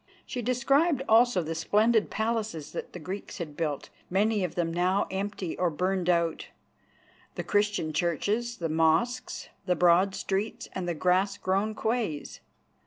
She described also the splendid palaces that the Greeks had built, many of them now empty or burned out, the Christian churches, the mosques, the broad streets and the grass grown quays.